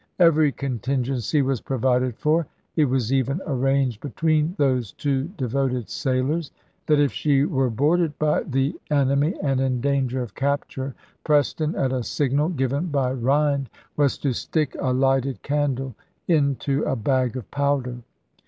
Every contingency was provided for ; it was even arranged between those two de Dec, lse*. voted sailors that if she were boarded by the en emy and in danger of capture, Preston, at a signal given by Rhind, was to stick a lighted candle into a bag of powder.